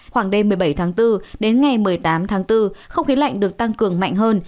khoảng đêm một mươi bảy tháng bốn đến ngày một mươi tám tháng bốn không khí lạnh được tăng cường mạnh hơn